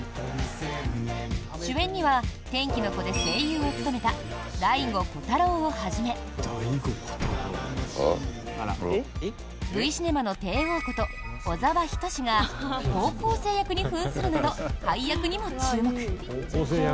主演には「天気の子」で声優を務めた醍醐虎汰朗をはじめＶシネマの帝王こと小沢仁志が高校生役に扮するなど配役にも注目。